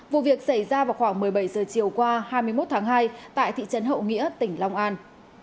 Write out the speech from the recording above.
vụ việc xảy ra vào khoảng một mươi bảy giờ chiều qua hai mươi một tháng hai tại thị trấn hậu nghĩa tỉnh long an